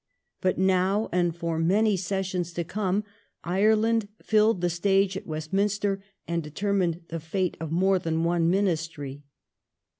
But now and for many sessions to come ment and Ireland filled the stage at Westminster, and determined the fate ^""^^^"^ of more than one Ministry.